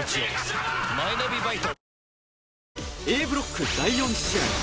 Ａブロック第４試合